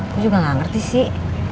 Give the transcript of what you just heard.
aku juga gak ngerti sih